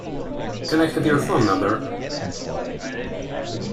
Can I have your phone number?